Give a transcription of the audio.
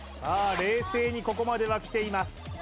冷静にここまではきています